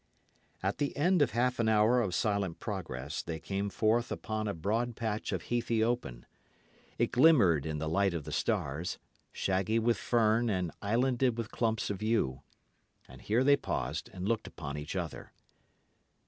At the end of half an hour of silent progress they came forth upon a broad patch of heathy open. It glimmered in the light of the stars, shaggy with fern and islanded with clumps of yew. And here they paused and looked upon each other.